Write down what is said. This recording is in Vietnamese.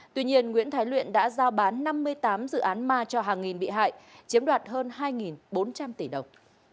tuy nhiên nguyễn thái luyện đã giao bán năm mươi tám dự án ma cho hàng nghìn bị hại chiếm đoạt hơn hai bốn trăm linh tỷ đồng